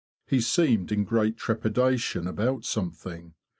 He seemed in great trepidation about something.